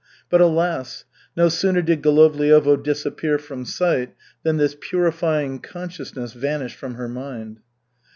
But alas! No sooner did Golovliovo disappear from sight than this purifying consciousness vanished from her mind.